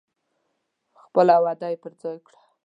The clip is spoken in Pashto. خپله وعده یې پر ځای کړه.